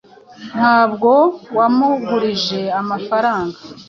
Ntabwo wamugurije amafaranga